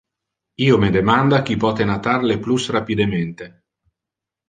Io me demanda qui pote natar le plus rapidemente.